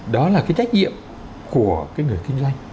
đó là cái trách nhiệm của cái người kinh doanh